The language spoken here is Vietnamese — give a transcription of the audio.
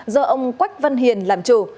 do ông quách văn hiền làm chủ